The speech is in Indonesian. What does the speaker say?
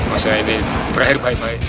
masa ini berakhir baik baik